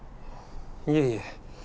いえいえ。